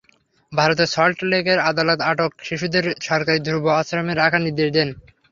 ভারতের সল্ট লেকের আদালত আটক শিশুদের সরকারি ধ্রুব আশ্রমে রাখার নির্দেশ দেন।